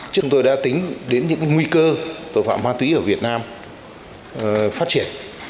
chúng tôi đã tính đến những nguy cơ tội phạm ma túy ở việt nam phát triển